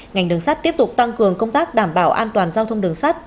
ngành đường sắt tiếp tục tăng cường công tác đảm bảo an toàn giao thông đường sắt